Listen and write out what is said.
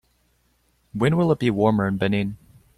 When will it be warmer in Benin